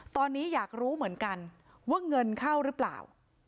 ตอนนี้อยากรู้เหมือนกันว่าเงินเข้าหรือเปล่า